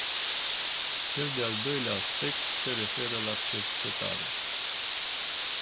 Cel de-al doilea aspect se referă la cercetare.